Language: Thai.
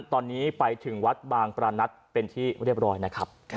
ตอนนี้ไปถึงวัดบางประนัทเป็นที่เรียบร้อยนะครับ